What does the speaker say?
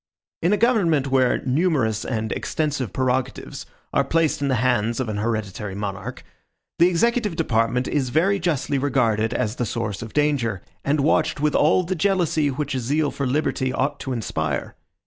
In a government where numerous and extensive prerogatives are placed in the hands of an hereditary monarch, the executive department is very justly regarded as the source of danger, and watched with all the jealousy which a zeal for liberty ought to inspire.